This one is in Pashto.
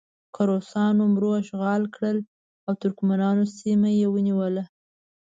که روسانو مرو اشغال کړه او ترکمنانو سیمه یې ونیوله.